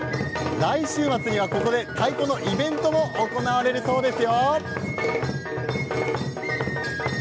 来週末には、ここで太鼓のイベントも行われるそうです。